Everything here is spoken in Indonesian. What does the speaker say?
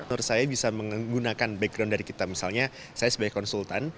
menurut saya bisa menggunakan background dari kita misalnya saya sebagai konsultan